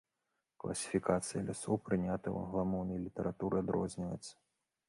Класіфікацыя лясоў, прынятая ў англамоўнай літаратуры, адрозніваецца.